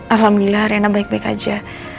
alhamdulillah arena baik baik aja